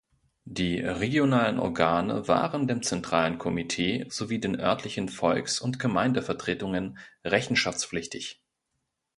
Die regionalen Organe waren dem zentralen Komitee sowie den örtlichen Volks- und Gemeindevertretungen rechenschaftspflichtig.